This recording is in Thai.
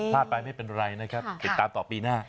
ไปไม่เป็นไรนะครับติดตามต่อปีหน้า